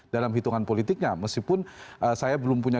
dalam hitungan politiknya meskipun saya belum punya